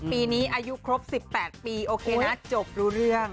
ปีนี้อายุครบ๑๘ปีโอเคนะจบรู้เรื่อง